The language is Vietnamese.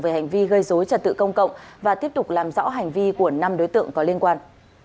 về hành vi gây dối trật tự công cộng và tiếp tục làm rõ hành vi của năm đối tượng có liên quan